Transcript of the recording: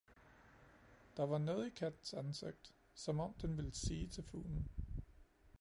Der var noget i kattens ansigt, som om den ville sige til fuglen